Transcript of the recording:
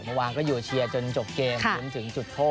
เมื่อวานก็อยู่เชียร์จนจบเกมรุ้นถึงจุดโทษ